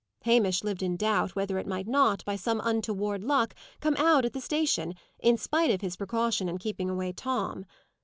Hamish lived in doubt whether it might not, by some untoward luck, come out at the station, in spite of his precaution in keeping away Tom.